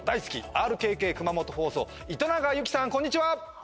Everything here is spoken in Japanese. ＲＫＫ熊本放送糸永有希さんこんにちは！